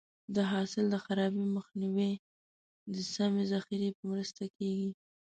د حاصل د خرابي مخنیوی د سمې ذخیرې په مرسته کېږي.